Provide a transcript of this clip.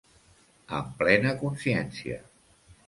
Amb plena consciència.